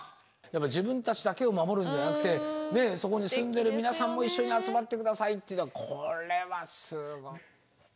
自分たちだけを守るのではなくてそこに住んでる皆さんも一緒に集まって下さいというのはこれはすごい。